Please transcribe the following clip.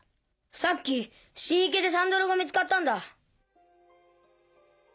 さっき神池でサンダルが見つかったんだ。